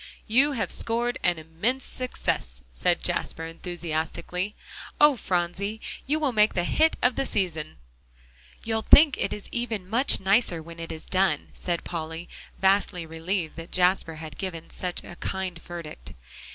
"You have scored an immense success," said Jasper enthusiastically. "Oh, Phronsie! you will make the hit of the season." "You'll think it is even much nicer when it is done," said Polly, vastly relieved that Jasper had given such a kind verdict.